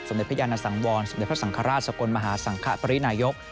เด็จพระยานสังวรสมเด็จพระสังฆราชสกลมหาสังคปรินายก